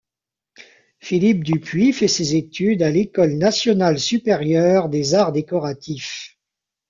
Philippe Dupuy fait ses études à l'École nationale supérieure des arts décoratifs.